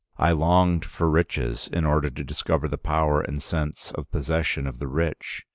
I longed for riches in order to discover the power and sense of possession of the rich.